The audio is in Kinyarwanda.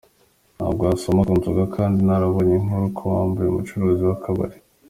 Ntabwo wasoma ku nzoga? Kandi narabonye inkuru ko wambuye umucuruzi w’akabari?.